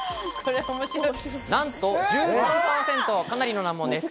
なんと１３％、かなりの難問です。